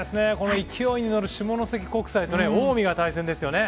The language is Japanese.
勢いに乗る下関国際と近江が対戦ですよね。